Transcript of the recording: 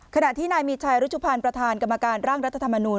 ขณะที่นายมีชัยฤทธิพารประธานกรรมการร่างรัฐธรรมนุน